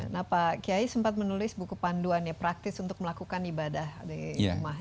nah pak kiai sempat menulis buku panduan ya praktis untuk melakukan ibadah di rumah